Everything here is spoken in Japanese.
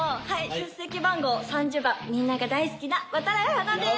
出席番号３０番みんなが大好きな渡会華です。